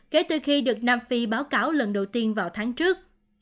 kể từ khi được nam phi báo cáo lần đầu tiên vào tháng trước